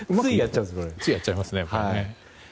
ついやっちゃいますねこれ。